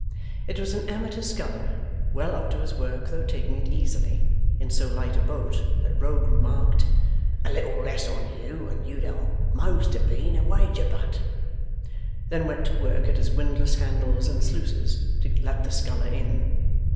It was an amateur sculler, well up to his work though taking it easily, in so light a boat that the Rogue remarked: 'A little less on you, and you'd a'most ha' been a Wagerbut'; then went to work at his windlass handles and sluices, to let the sculler in.